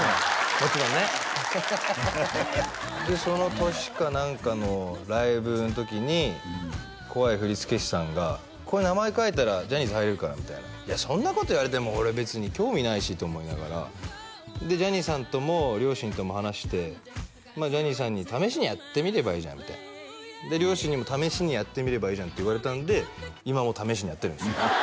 もちろんねその年か何かのライブの時に怖い振り付け師さんがここに名前書いたらジャニーズ入れるからみたいないやそんなこと言われても俺別に興味ないしと思いながらでジャニーさんとも両親とも話してジャニーさんに「試しにやってみればいいじゃん」みたいな両親にも「試しにやってみればいいじゃん」って言われたんで今も試しにやってるんですよ